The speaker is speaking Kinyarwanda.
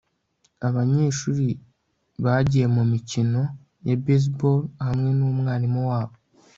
abanyeshuri bagiye mumikino ya baseball hamwe numwarimu wabo